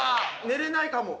寝れないかも。